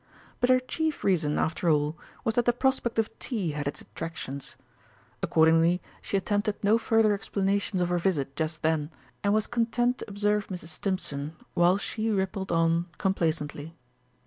But her chief reason, after all, was that the prospect of tea had its attractions. Accordingly she attempted no further explanations of her visit just then, and was content to observe Mrs. Stimpson, while she rippled on complacently.